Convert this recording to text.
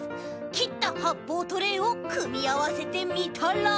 きったはっぽうトレーをくみあわせてみたら。